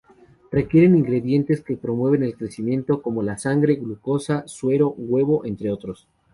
Requieren ingredientes que promueven el crecimiento, como la sangre, glucosa, suero, huevo, entre otros.